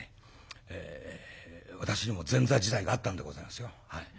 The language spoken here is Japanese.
私にも前座時代があったんでございますよ。